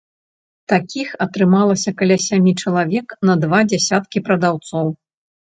Такіх атрымалася каля сямі чалавек на два дзесяткі прадаўцоў.